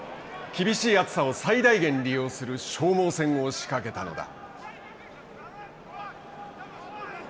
厳しい暑さを最大限利用する消耗戦を仕掛けたのだ。